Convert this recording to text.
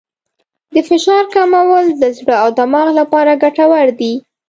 د فشار کمول د زړه او دماغ لپاره ګټور دي.